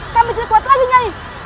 kami sudah kuat lagi nyai